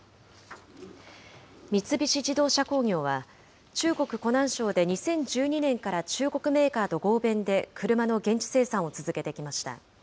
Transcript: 三菱自動車工業は、中国・湖南省で２０１２年から中国メーカーと合弁で車の現地生産を続けてきました。